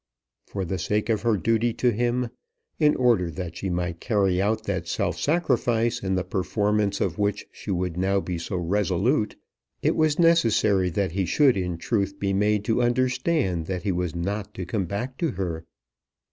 For the sake of her duty to him, in order that she might carry out that self sacrifice in the performance of which she would now be so resolute, it was necessary that he should in truth be made to understand that he was not to come back to her.